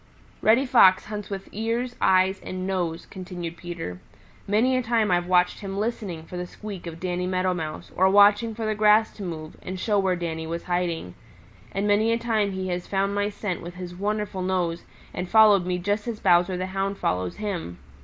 "Reddy Fox hunts with ears, eyes and nose," continued Peter. "Many a time I've watched him listening for the squeak of Danny Meadow Mouse or watching for the grass to move and show where Danny was hiding; and many a time he has found my scent with his wonderful nose and followed me just as Bowser the Hound follows him.